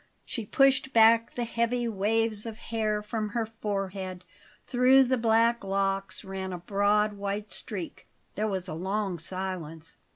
She pushed back the heavy waves of hair from her forehead. Through the black locks ran a broad white streak. There was a long silence.